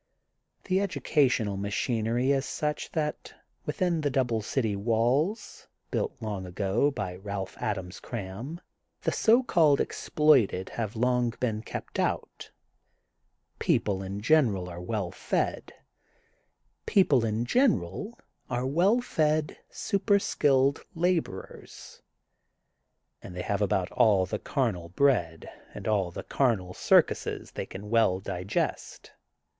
The educational machinery is such that within the double city walls, built long ago by Balph Adams Cram, the so called "ex ploited have long been kept out. People in general are well fed, super skilled laborers. And they have about all the carnal bread and all the carnal circuses they can well digest.